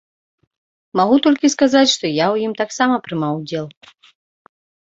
Магу толькі сказаць, што я ў ім таксама прымаў удзел.